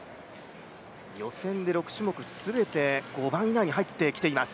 予選で６種目全て５番以内に入ってきています。